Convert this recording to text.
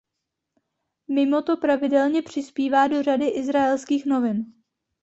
Mimo to pravidelně přispívá do řady izraelských novin.